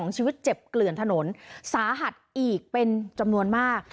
ชีวิตเจ็บเกลื่อนถนนสาหัสอีกเป็นจำนวนมาก